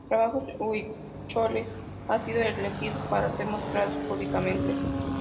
Trabajos huicholes han sido elegidos para ser mostrados públicamente.